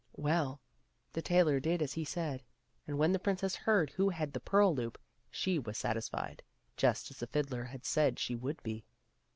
Well, the tailor did as he said, and when the princess heard who had the pearl loop, she was satisfied, just as the fiddler had said she would be.